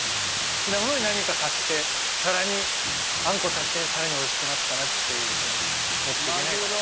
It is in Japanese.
好きなものに何か足して、さらにあんこ足して、さらにおいしくなったなというふうに持ってけないかな。